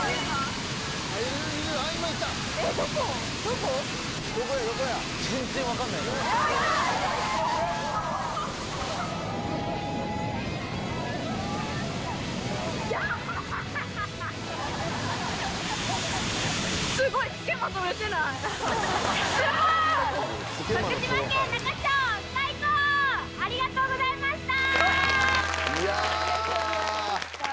ここ⁉すごい！ありがとうございました！